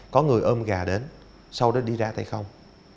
có người ôm gà đến sau đó đi ra tay không